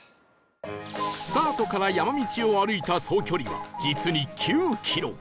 スタートから山道を歩いた総距離は実に９キロ